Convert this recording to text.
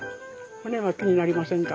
骨は気になりませんか？